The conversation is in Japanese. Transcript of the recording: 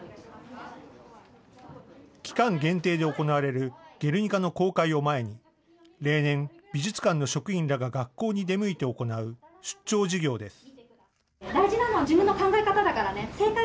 期間限定で行われるゲルニカの公開を前に例年、美術館の職員らが学校に出向いて行う出張授業です。